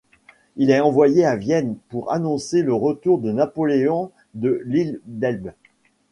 Il est envoyé à Vienne pour annoncer le retour de Napoléon de l'Île d'Elbe.